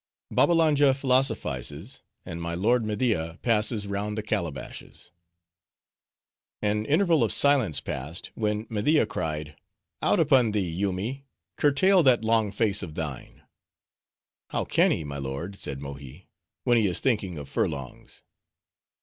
Babbalanja Philosophizes, And My Lord Media Passes Round The Calabashes An interval of silence passed; when Media cried, "Out upon thee, Yoomy! curtail that long face of thine." "How can he, my lord," said Mohi, "when he is thinking of furlongs?"